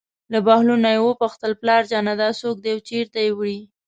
له بهلول نه یې وپوښتل: پلارجانه دا څوک دی او چېرته یې وړي.